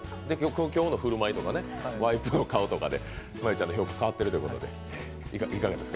今日の振る舞いとかね、ワイプの顔とかで真悠ちゃんの評価変わってるかもということで。